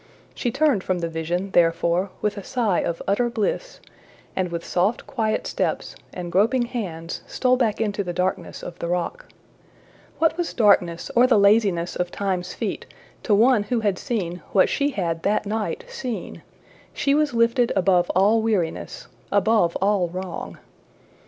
She turned from the vision, therefore, with a sigh of utter bliss, and with soft quiet steps and groping hands stole back into the darkness of the rock. What was darkness or the laziness of Time's feet to one who had seen what she had that night seen? She was lifted above all weariness above all wrong.